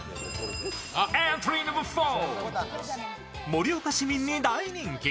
盛岡市民に大人気。